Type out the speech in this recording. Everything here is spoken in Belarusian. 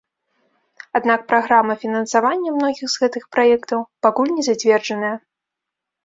Аднак праграма фінансавання многіх з гэтых праектаў пакуль не зацверджаная.